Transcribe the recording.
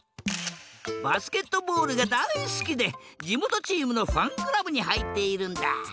バスケットボールがだいすきでじもとチームのファンクラブにはいっているんだ。